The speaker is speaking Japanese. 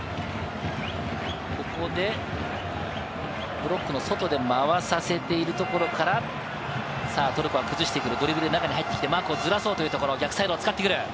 ここで、ブロックの外で回させているところから、トルコは崩してくるドリブルで中に入ってきてマークをずらそうというところ、逆サイドを使ってくる。